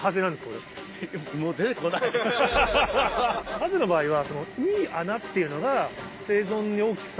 ハゼの場合は。